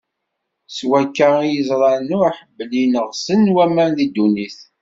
S wakka i yeẓra Nuḥ belli neɣsen waman di ddunit.